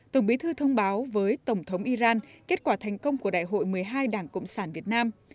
tổng bí thư thông báo với tổng thống iran kết quả thành công của đại hội một mươi hai đảng cộng sản việt nam